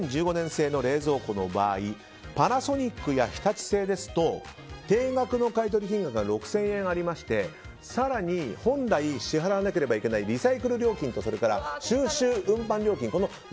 製の冷蔵庫の場合パナソニックや日立製ですと定額の買い取り金額が６０００円ありまして更に本来支払わなければいけないリサイクル料金と収集運搬料金